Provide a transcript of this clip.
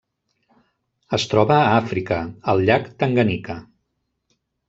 Es troba a Àfrica: el llac Tanganyika.